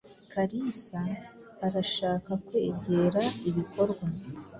Kalisa arashaka kwegera ibikorwa.